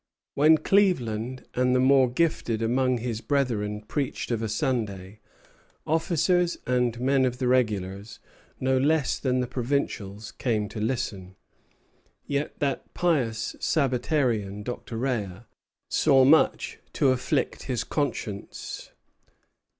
When Cleaveland and the more gifted among his brethren preached of a Sunday, officers and men of the regulars, no less than the provincials, came to listen; yet that pious Sabbatarian, Dr. Rea, saw much to afflict his conscience.